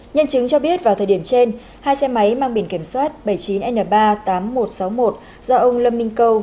nhân chứng cho biết vào thời điểm trên hai xe máy mang biển kiểm soát bảy mươi chín n ba tám nghìn một trăm sáu mươi một do ông lâm minh câu